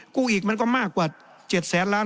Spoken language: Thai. กู้อีกมันก็มากกว่า๗แสนล้าน